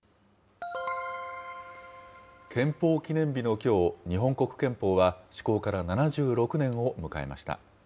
憲法記念日のきょう、日本国憲法は施行から７６年を迎えました。